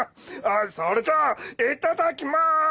それじゃいただきます！